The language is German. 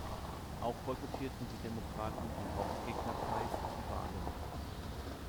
Auch boykottierten die Demokraten, die Hauptgegner Pais' die Wahlen.